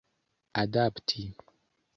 adapti